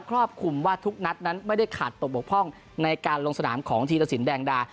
รอบคลุมว่าทุกนัดนั้นไม่ได้ขาดตกบกพร่องในการลงสนามของธีรสินแดงดา